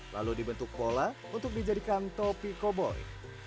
lalu dibentuk pola untuk dijadikan topi koboi